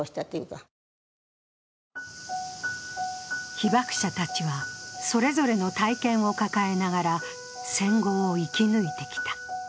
被爆者たちは、それぞれの体験を抱えながら戦後を生き抜いてきた。